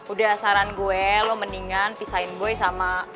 udah saran gue lo mendingan pisain boy sama